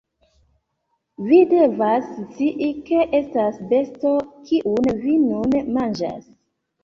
Vi devas scii, ke estas besto, kiun vi nun manĝas